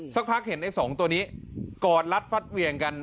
สักพักเห็นไอ้สองตัวนี้กอดรัดฟัดเวียงกัน